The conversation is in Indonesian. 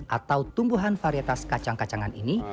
atau tumbuhan varietas kacang kacangan ini